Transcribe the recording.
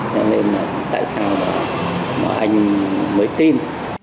cho nên là tại sao mà anh mới tin